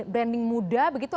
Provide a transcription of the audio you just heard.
branding muda begitu